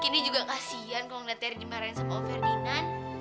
kendi juga kasihan kalau gak teri dimarahin sama ferdinand